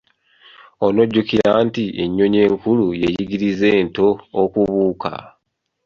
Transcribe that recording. Onojjukira nti ennyonyi enkulu yeeyigiriza ento okubuuka?